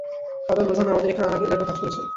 Father লোযানো আমাদের এখানে এর আগেও কাজ করেছেন।